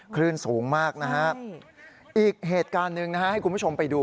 คลื่นสูงมากนะฮะอีกเหตุการณ์หนึ่งนะฮะให้คุณผู้ชมไปดู